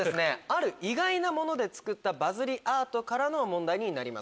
ある意外なもので作ったバズりアートからの問題になります。